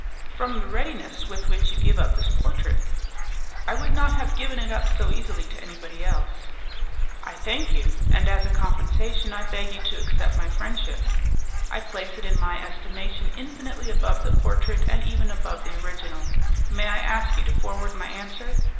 "From the readiness with which you give up this portrait." "I would not have given it up so easily to anybody else." "I thank you; and as a compensation I beg you to accept my friendship." "I place it in my estimation infinitely above the portrait, and even above the original. May I ask you to forward my answer?"